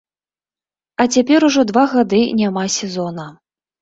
А цяпер ужо два гады няма сезона.